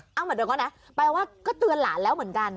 เอาเหมือนเดิมก็นะแปลว่าก็เตือนหลานแล้วเหมือนกัน